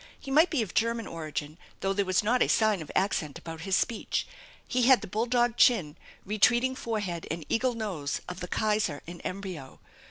He might be of German origin, though there was not a sign of accent about his speech. He had the bull dog chin, retreating forehead and eagle nose of the Kaiser in embryo.